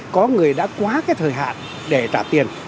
có người đã quá cái thời hạn để trả tiền